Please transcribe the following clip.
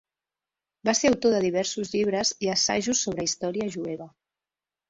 Va ser autor de diversos llibres i assajos sobre història jueva.